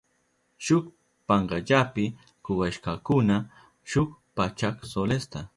Shuk pankallapi kuwashkakuna shuk pachak solesta.